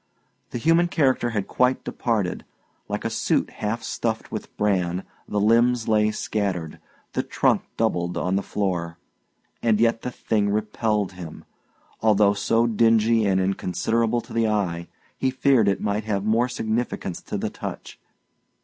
The human character had quite departed. Like a suit half stuffed with bran, the limbs lay scattered, the trunk doubled, on the floor; and yet the thing repelled him. Although so dingy and inconsiderable to the eye, he feared it might have more significance to the touch.